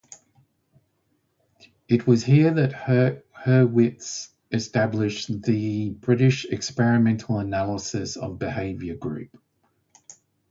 It was here that Hurwitz established the "British Experimental Analysis of Behaviour Group".